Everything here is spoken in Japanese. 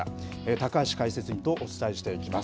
高橋解説委員とお伝えしていきます。